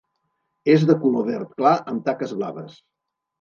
És de color verd clar amb taques blaves.